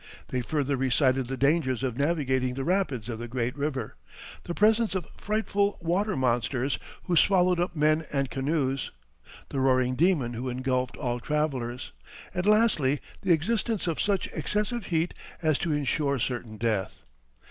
They further recited the dangers of navigating the rapids of the Great River, the presence of frightful water monsters who swallowed up men and canoes, the roaring demon who engulfed all travellers, and lastly the existence of such excessive heat as to ensure certain death.